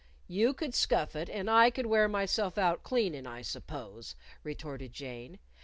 "You could scuff it and I could wear myself out cleanin', I suppose," retorted Jane.